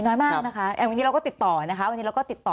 น้อยมากนะคะวันนี้เราก็ติดต่อนะคะวันนี้เราก็ติดต่อ